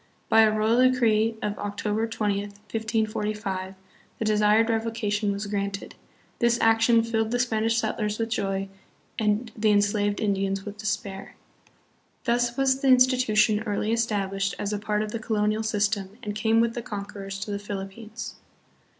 By a royal decree of October 20, 1545, the desired revocation was granted. This action filled the Spanish settlers with joy and the en slaved Indians with despair." l Thus was the institution early established as a part of the colonial system and came with the conquerors to the Philippines.